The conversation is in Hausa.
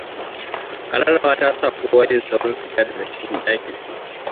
Kararrawa ta sa kowa yin sauri fita daga cikin ɗakin.